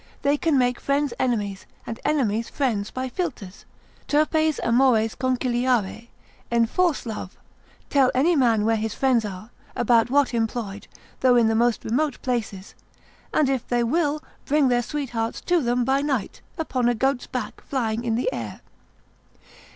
They can make friends enemies, and enemies friends by philters; Turpes amores conciliare, enforce love, tell any man where his friends are, about what employed, though in the most remote places; and if they will, bring their sweethearts to them by night, upon a goat's back flying in the air.